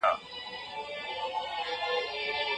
پخوانۍ نظريې په څرګنده توګه باطلې سوې.